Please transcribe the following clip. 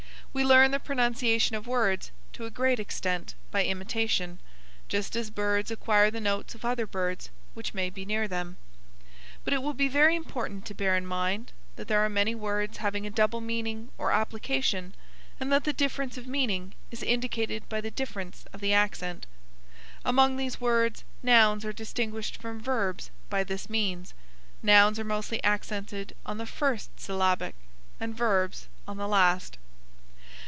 We learn the pronunciation of words, to a great extent, by imitation, just as birds acquire the notes of other birds which may be near them. But it will be very important to bear in mind that there are many words having a double meaning or application, and that the difference of meaning is indicated by the difference of the accent, Among these words, nouns are distinguished from verbs by this means: nouns are mostly accented on the first syllabic, and verbs on the last.